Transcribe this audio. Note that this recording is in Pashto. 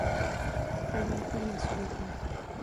پیمانکار مسوولیت لري